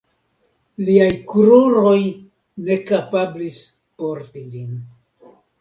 Liaj kruroj ne kapablis porti lin.